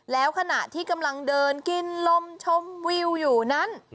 แล้วขณะที่กำลังเดินกินลมชมวิวอยู่นั้น